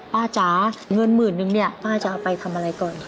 จ๋าเงินหมื่นนึงเนี่ยป้าจะเอาไปทำอะไรก่อน